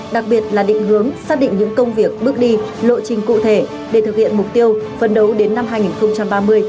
đặc biệt là định hướng xác định những công việc bước đi lộ trình cụ thể để thực hiện mục tiêu phấn đấu đến năm hai nghìn ba mươi